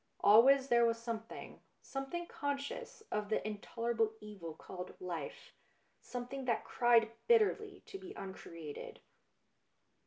Always there was something something conscious of the in tolerable evil called life, something that cried bitterly to be uncreated.